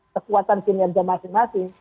kekuatan kinerja masing masing